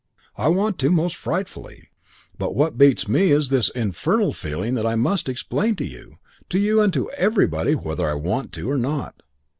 I want to most frightfully. But what beats me is this infernal feeling that I must explain to you, to you and to everybody, whether I want to or not.